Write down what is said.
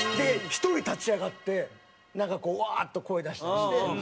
１人立ち上がってなんかこうワーッと声出したりして。